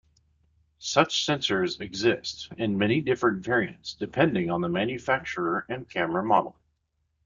Such sensors exist in many different variants depending on the manufacturer and camera model.